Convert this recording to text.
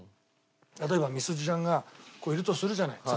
例えばミスズちゃんがいるとするじゃない。